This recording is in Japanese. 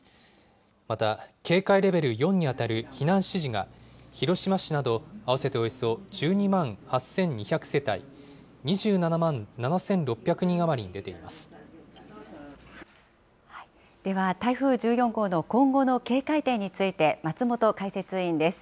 また、警戒レベル４に当たる避難指示が、広島市など合わせておよそ１２万８２００世帯２７万７６００人余では、台風１４号の今後の警戒点について松本解説委員です。